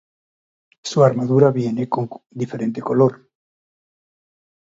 Su armadura viene con diferente color.